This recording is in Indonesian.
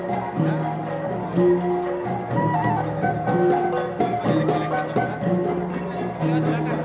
indonesia dan di indonesia dan di indonesia dan di indonesia dan di indonesia dan di indonesia dan